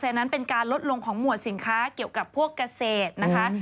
นั้นเป็นการลดลงของหมวดสินค้าเกี่ยวกับพวกเกษตรนะคะ